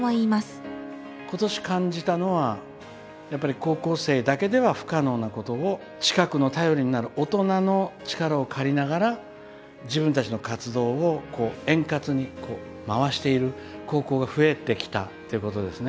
今年感じたのはやっぱり高校生だけでは不可能なことを近くの頼りになる大人の力を借りながら自分たちの活動を円滑に回している高校が増えてきたっていうことですね。